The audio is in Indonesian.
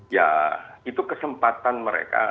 ya itu kesempatan mereka